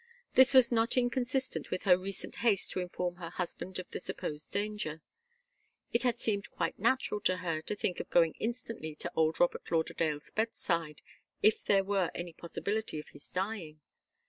This was not inconsistent with her recent haste to inform her husband of the supposed danger. It had seemed quite natural to her to think of going instantly to old Robert Lauderdale's bedside, if there were any possibility of his dying.